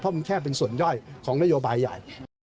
เพราะมันแค่เป็นส่วนย่อยของนโยบายใหญ่